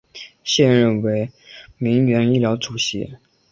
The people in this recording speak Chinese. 现为铭源医疗主席。